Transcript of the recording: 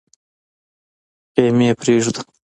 خېمې پرېږدو.